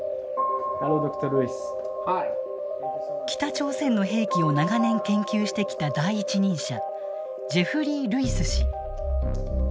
北朝鮮の兵器を長年研究してきた第一人者ジェフリー・ルイス氏。